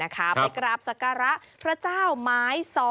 ไปกราบสักการะพระเจ้าไม้ซ้อ